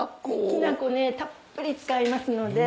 きな粉たっぷり使いますので。